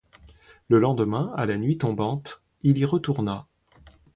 Le lendemain à la nuit tombante il y retourna.